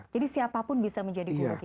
jadi siapapun bisa menjadi guru kita